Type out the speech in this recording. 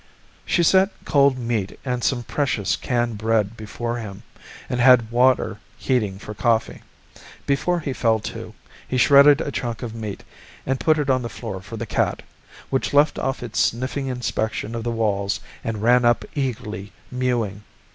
She set cold meat and some precious canned bread before him and had water heating for coffee. Before he fell to, he shredded a chunk of meat and put it on the floor for the cat, which left off its sniffing inspection of the walls and ran up eagerly mewing.